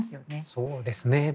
そうですね。